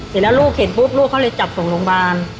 เสร็จแล้วลูกเห็นปุ๊บลูกเขาเลยจับส่งโรงพยาบาล